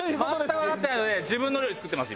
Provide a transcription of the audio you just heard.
全くわかってないので自分の料理を作ってます